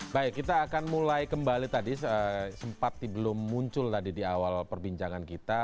baik kita akan mulai kembali tadi sempat belum muncul tadi di awal perbincangan kita